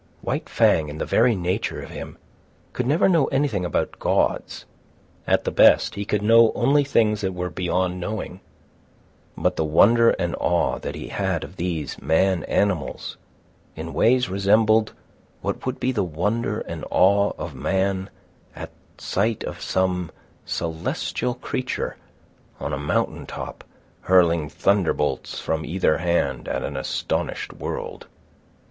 White Fang, in the very nature of him, could never know anything about gods; at the best he could know only things that were beyond knowing—but the wonder and awe that he had of these man animals in ways resembled what would be the wonder and awe of man at sight of some celestial creature, on a mountain top, hurling thunderbolts from either hand at an astonished world.